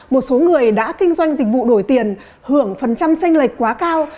một số người đã kinh doanh dịch vụ đổi tiền hưởng phần trăm tranh lệch quá cao